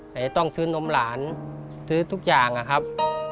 แต่จะต้องซื้อนมหลานซื้อทุกอย่างนะครับ